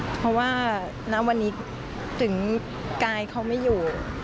เพราะว่าณวันนี้ถึงกายเขาไม่อยู่